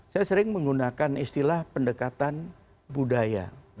saya sering menggunakan istilah pendekatan budaya